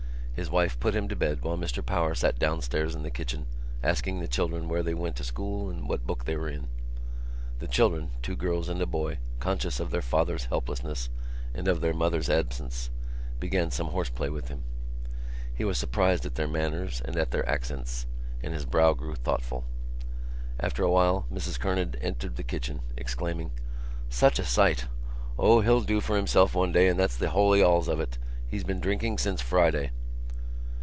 His wife put him to bed while Mr Power sat downstairs in the kitchen asking the children where they went to school and what book they were in. The children—two girls and a boy, conscious of their father's helplessness and of their mother's absence, began some horseplay with him. He was surprised at their manners and at their accents, and his brow grew thoughtful. After a while Mrs Kernan entered the kitchen, exclaiming: "Such a sight! O, he'll do for himself one day and that's the holy alls of it. He's been drinking since Friday."